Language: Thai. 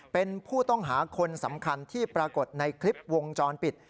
เป็นผู้ต้องหาคนสำคัญที่ปรากฏในคลิปวงจรปิด